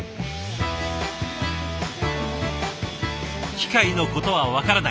機械のことは分からない。